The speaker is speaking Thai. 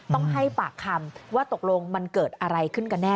ต้องให้ปากคำว่าตกลงมันเกิดอะไรขึ้นกันแน่